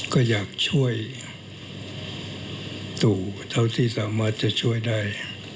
ก็อยากช่วยตู่เท่าที่สามารถจะช่วยได้